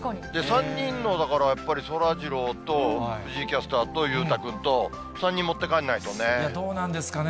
３人のだから、やっぱりそらジローと藤井キャスターと裕太君と、３人持って帰らどうなんですかね。